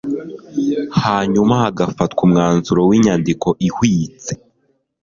hanyuma hagafatwa umwanzuro w'inyandiko ihwitse